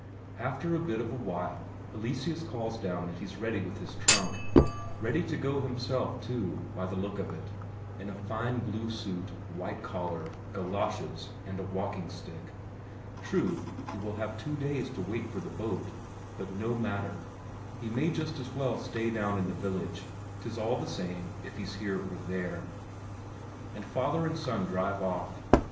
After a bit of a while, Eleseus calls down that he's ready with his trunk. Ready to go himself, too, by the look of it; in a fine blue suit, white collar, galoshes, and a walking stick. True, he will have two days to wait for the boat, but no matter; he may just as well stay down in the village; 'tis all the same if he's here or there. And father and son drive off.